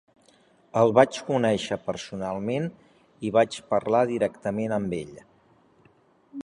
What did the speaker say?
El vaig conèixer personalment i vaig parlar directament amb ell.